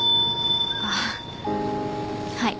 ああはい。